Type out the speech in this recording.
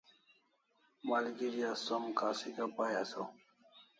Malgeri as som kasika pai asaw